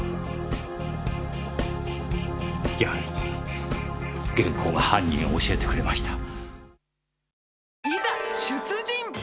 やはり原稿が犯人を教えてくれました。